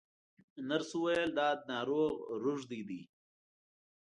نرس وویل دا ناروغ روږدی دی.